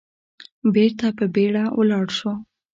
بېرته په بيړه ولاړ شو.